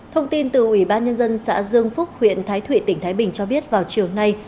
thông tin từ ủy ban nhân dân xã dương phúc huyện thái thụy tỉnh thái bình cho biết vào chiều nay